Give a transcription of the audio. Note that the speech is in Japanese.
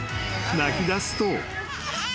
［泣きだすと］